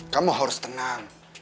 kamu harus tenang